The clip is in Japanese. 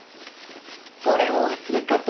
これをお忘れかと。